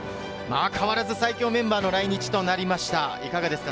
変わらず最強メンバーの来日となりました。